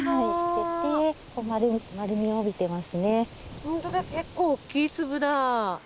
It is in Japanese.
本当だ結構大きい粒だ。